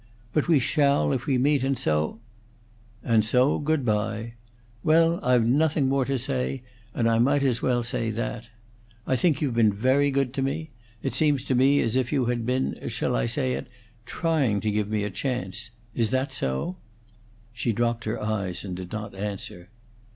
But we shall, if we meet, and so, " "And so good bye! Well, I've nothing more to say, and I might as well say that. I think you've been very good to me. It seems to me as if you had been shall I say it? trying to give me a chance. Is that so?" She dropped her eyes and did not answer.